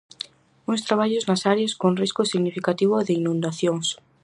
Uns traballos nas áreas con risco significativo de inundacións.